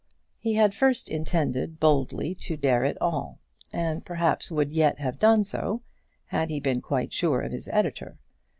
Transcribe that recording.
He had first intended boldly to dare it all, and perhaps would yet have done so had he been quite sure of his editor.